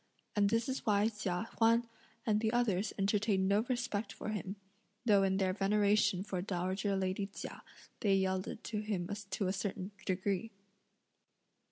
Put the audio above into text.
And this is why Chia Huan and the others entertained no respect for him, though in their veneration for dowager lady Chia, they yielded to him to a certain degree.